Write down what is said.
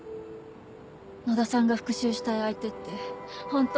野田さんが復讐したい相手って本当は。